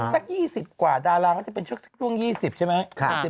สัก๒๐กว่าดาราก็จะเป็นช่วง๒๐ใช่ไหม